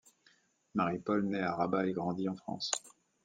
Maripol naît à Rabat et grandit en France.